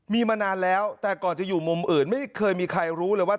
มีมานานแล้วแต่ก่อนจะอยู่มุมอื่นไม่เคยมีใครรู้เลยว่า